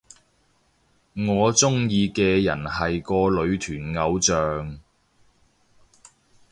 我鍾意嘅人係個女團偶像